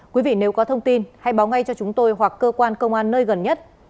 quý vị nếu có thông tin hãy báo ngay cho chúng tôi hoặc cơ quan công an nơi gần nhất